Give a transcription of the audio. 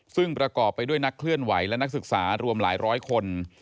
ซึ่งประกอบไปด้วยนักเคลื่อนไหวและนักศึกษารวมหลายร้อยคน